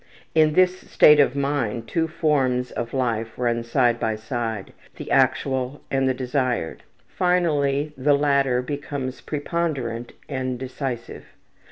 In this state of mind two forms of life run side by side, the actual and the desired, finally the latter becomes preponderant and decisive.